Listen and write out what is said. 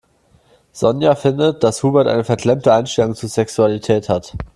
Sonja findet, dass Hubert eine verklemmte Einstellung zur Sexualität hat.